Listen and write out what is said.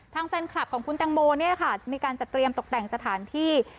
ทางแฟนคลับของคุณเต้งโมมีการจะเตรียมตกแต่งสถานที่